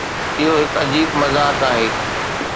اهو هڪ عجيب مذاق آهي.